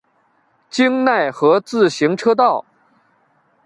京奈和自动车道。